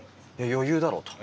余裕だろう」と。